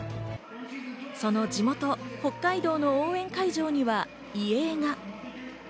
その地元・北海道の応援会場には遺影が。